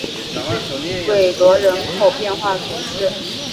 韦罗人口变化图示